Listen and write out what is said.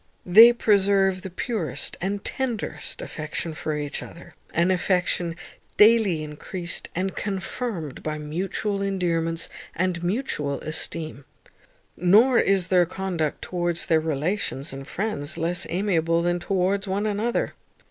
They preserve the purest and tenderest affection for each other, an affection daily encreased and confirmed by mutual endearments and mutual esteem. Nor is their conduct towards their relations and friends less amiable than towards one another.